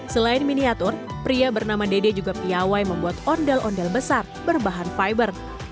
selain miniatur pria bernama dede juga piawai membuat ondel ondel besar berbahan fiber